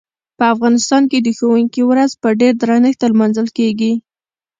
په افغانستان کې د ښوونکي ورځ په ډیر درنښت لمانځل کیږي.